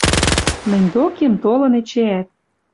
Мӹнь докем толын эчеӓт